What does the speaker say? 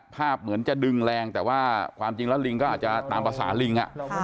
เหมือนจะดึงแรงแต่ว่าความจริงแล้วลิงก็อาจจะตามภาษาลิง